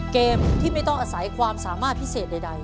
เกมที่ไม่ต้องอาศัยความสามารถพิเศษใด